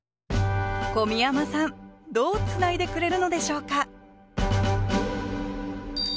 小宮山さんどうつないでくれるのでしょうか？